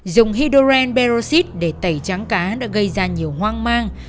dùng hydrogen peroxide để tẩy trắng cá đã gây ra nhiều hoang mang